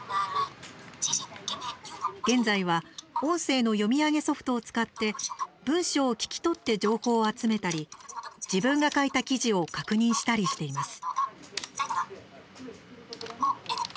現在は、音声の読み上げソフトを使って文章を聞き取って情報を集めたり自分が書いた記事を確認したりしています。